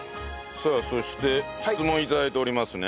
そして質問を頂いておりますね。